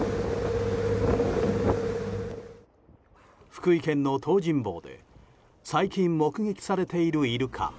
福井県の東尋坊で最近目撃されているイルカ。